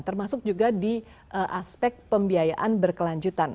termasuk juga di aspek pembiayaan berkelanjutan